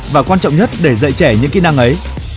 và quan trọng nhất để dạy trẻ những kỹ năng ấy